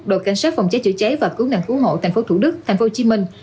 đội cảnh sát phòng cháy chữa cháy và cứu nạn cứu hộ thành phố thủ đức thành phố hồ chí minh